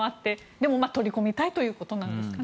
でも、取り込みたいということなんですかね。